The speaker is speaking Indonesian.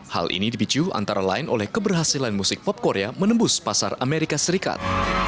hal ini dipicu antara lain oleh keberhasilan musik pop korea menembus pasar amerika serikat